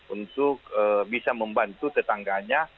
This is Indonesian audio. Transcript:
untuk bisa membantu tetangganya